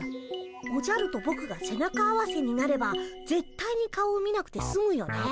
おじゃるとぼくが背中合わせになればぜったいに顔を見なくてすむよね。